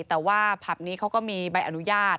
แต่ว่าผับนี้เขาก็มีใบอนุญาต